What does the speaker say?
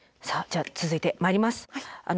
さあじゃあ続いてまいります。